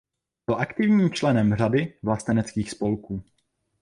Byl aktivním členem řady vlasteneckých spolků.